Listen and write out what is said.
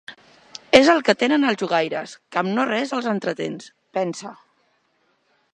És el que tenen els jugaires, que amb no-res els entretens, pensa.